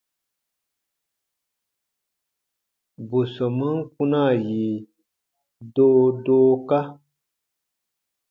Bù sɔmaan kpunaa yi doodooka.